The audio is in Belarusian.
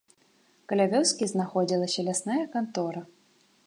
Каля вёскі знаходзілася лясная кантора.